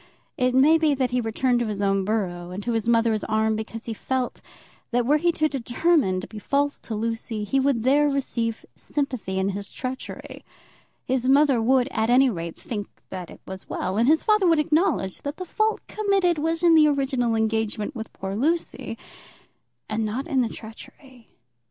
It may be that he returned to his own borough and to his mother's arms because he felt, that were he to determine to be false to Lucy, he would there receive sympathy in his treachery. His mother would, at any rate, think that it was well, and his father would acknowledge that the fault committed was in the original engagement with poor Lucy, and not in the treachery.